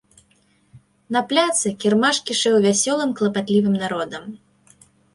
На пляцы кірмаш кішэў вясёлым, клапатлівым народам.